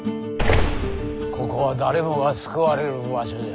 ここは誰もが救われる場所じゃ。